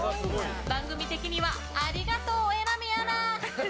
番組的にはありがとう、榎並アナ。